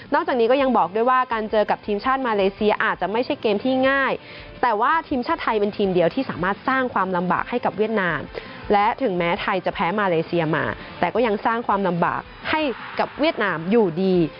จากนี้ก็ยังบอกด้วยว่าการเจอกับทีมชาติมาเลเซียอาจจะไม่ใช่เกมที่ง่ายแต่ว่าทีมชาติไทยเป็นทีมเดียวที่สามารถสร้างความลำบากให้กับเวียดนามและถึงแม้ไทยจะแพ้มาเลเซียมาแต่ก็ยังสร้างความลำบากให้กับเวียดนามอยู่ดี